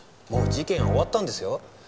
もう事件は終わったんですよ？